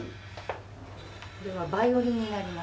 これはバイオリンになります。